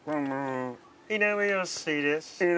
「井上陽水です」